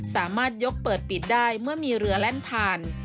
สามารถยกเปิดปิดได้เมื่อมีเรือแล่นผ่าน